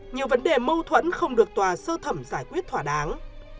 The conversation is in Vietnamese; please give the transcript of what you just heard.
nhiều vấn đề mâu thuẫn không được tòa sơ thẩm giải quyết thỏa đáng